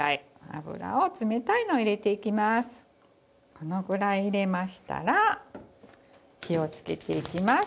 このぐらい入れましたら火をつけていきます。